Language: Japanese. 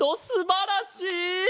すばらしい！